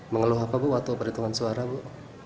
mengeluh apa bu waktu perhitungan suara bu